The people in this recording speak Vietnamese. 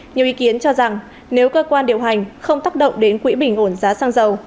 nhiều ý kiến cho rằng nếu cơ quan điều hành không tác động đến quỹ bình ổn giá xăng dầu